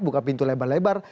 buka pintu lebar lebar